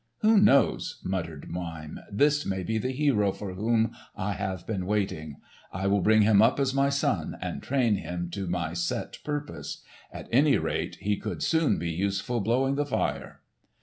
"Who knows?" muttered Mime. "This may be the hero for whom I have been waiting. I will bring him up as my son, and train him to my set purpose. At any rate he could soon be useful blowing the fire."